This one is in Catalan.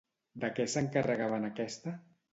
De què s'encarregava en aquesta?